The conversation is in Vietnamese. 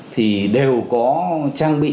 thì đều có trang bị